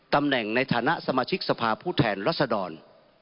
ตำแหน่งในฐานะสมาชิกสภาผู้แทนรัศดร